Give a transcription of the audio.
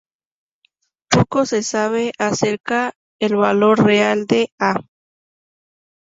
Poco se sabe acerca el valor real de "A".